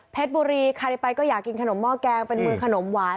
บุรีใครไปก็อยากกินขนมหม้อแกงเป็นมือขนมหวาน